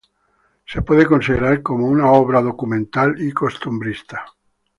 Se puede considerar como una obra documental y costumbrista.